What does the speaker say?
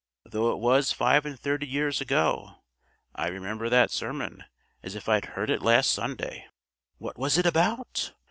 Though it was five and thirty years ago, I remember that sermon as if I'd heard it last Sunday." "What was it about?"